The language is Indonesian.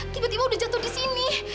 tiba tiba udah jatuh disini